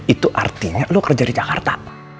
itu artinya lo kerja di jakarta